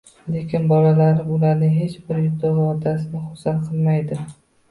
Lekin bolalarim… Ularning hech bir yutug`i otasini xursand qilmaydi